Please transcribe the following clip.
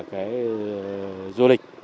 cái du lịch